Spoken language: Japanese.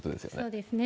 そうですね。